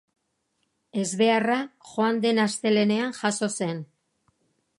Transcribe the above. Ezbeharra joan den astelehenean jazo zen.